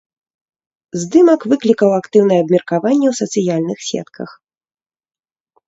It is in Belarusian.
Здымак выклікаў актыўнае абмеркаванне ў сацыяльных сетках.